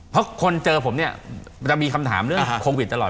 เพราะคนเจอผมเนี่ยมันจะมีคำถามเรื่องโควิดตลอด